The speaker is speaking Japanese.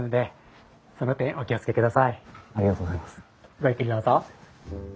ごゆっくりどうぞ。